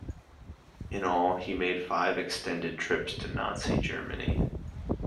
In all he made five extended trips to Nazi Germany.